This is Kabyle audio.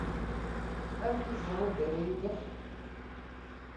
Amek i teẓra anda ara iyi-d-taf?